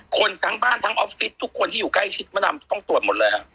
คนทั้งบ้านทั้งออฟฟิศทุกคนที่อยู่ใกล้ชิดมะดำต้องตรวจหมดเลยฮะ